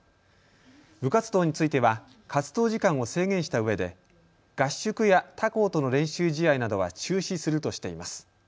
部活動については活動時間を制限したうえで合宿や他校との練習試合などは中止するとしています。